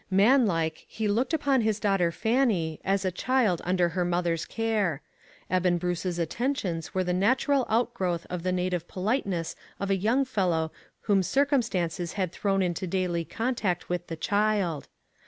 Man like, he looked upon his daugh ter Fannie as a child under her mother's care. Eben Bruce's attentions were the nat ural outgrowth of the native politeness of a young fellow whom circumstances had thrown into daily contact with the child.